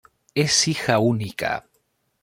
Es hija única.